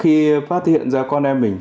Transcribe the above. khi phát hiện ra con em mình